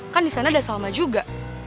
kan disana ada salma juga